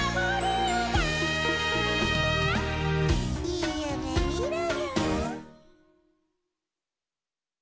いいゆめみろよ☆」